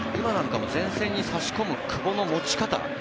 今なんかも前線に差し込む久保の持ち方。